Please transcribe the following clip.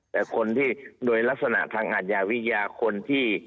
แต่คนที่โดยลักษณะทางอาทยาวิทยาคนที่